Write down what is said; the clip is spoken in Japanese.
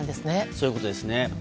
そういうことですね。